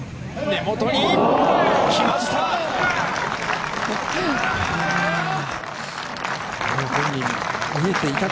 根元に、来ました！